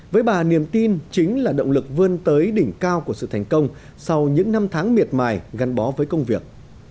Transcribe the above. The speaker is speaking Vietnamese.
với bà niềm tin chính là động lực vươn tới đỉnh cao của sự thành công sau những năm tháng miệt mài gắn bó với công việc